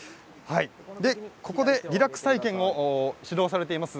ここでリラックス体験を披露されています